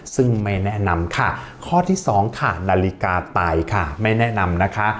ซึ่งไม่แนะนำค่ะข้อที่สองค่ะนาฬิกาไตค่ะไม่แนะนำนะคะ